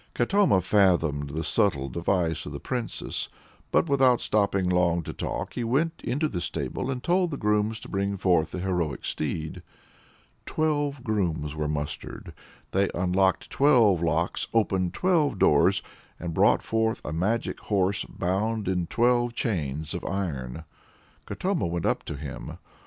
Katoma fathomed the subtle device of the Princess, but, without stopping long to talk, he went into the stable and told the grooms to bring forth the heroic steed. Twelve grooms were mustered, they unlocked twelve locks, opened twelve doors, and brought forth a magic horse bound in twelve chains of iron. Katoma went up to him.